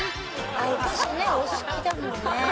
お菓子ねお好きだもんね。